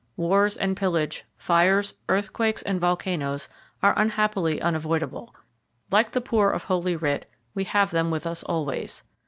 Wars and pillage, fires, earthquakes and volcanoes are unhappily unavoidable. Like the poor of holy writ, we have them with us always.